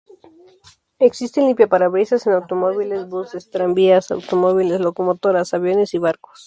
Existen limpiaparabrisas en automóviles, buses, tranvías, automóviles, locomotoras, aviones y barcos.